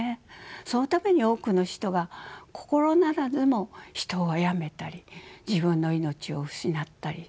そのために多くの人が心ならずも人をあやめたり自分の命を失ったりするんです。